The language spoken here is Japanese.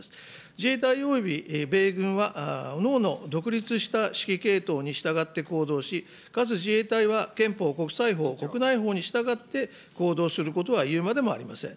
自衛隊および米軍は、おのおの独立した指揮系統に従って行動し、かつ自衛隊は憲法、国際法、国内法に従って、行動することは言うまでもありません。